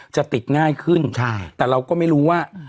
จะติดง่ายขึ้นแต่เราก็ไม่รู้ว่า